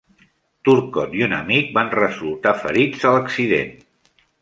Turcotte i un amic van resultar ferits a l'accident.